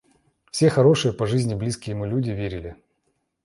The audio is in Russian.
Все хорошие по жизни близкие ему люди верили.